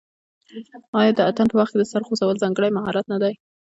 آیا د اتن په وخت کې د سر خوځول ځانګړی مهارت نه دی؟